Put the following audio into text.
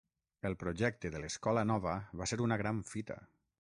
El projecte de l'Escola Nova va ser una gran fita.